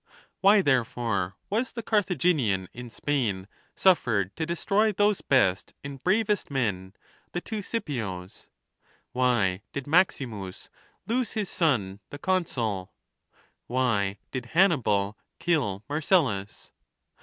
Why, therefore, was the Carthaginian in Spain suffered to de stroy those best and bravest men, the two Scipios ? Why did Maxinius' lose his son, the consul ? Why did Hanni bal kill Marcellus